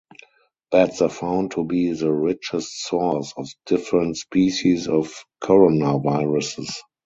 Bats are found to be the richest source of different species of coronaviruses.